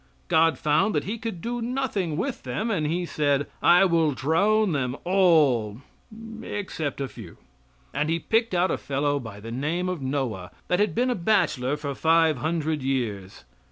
God found that he could do nothing with them and He said: "I will drown them all except a few." And he picked out a fellow by the name of Noah, that had been a bachelor for five hundred years.